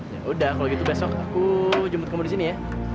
ya udah kalau gitu besok aku jemput kumur di sini ya